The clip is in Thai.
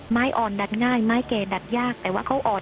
ไม้อ่อนดัดง่ายไม้แก่ดัดยากแต่ว่าเขาอ่อน